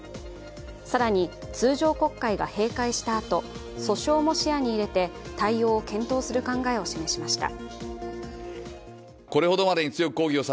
更に、通常国会が閉会したあと訴訟も視野に入れて対応を検討する考えを示しました。